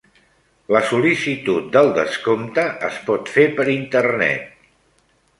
La sol·licitud del descompte es pot fer per internet.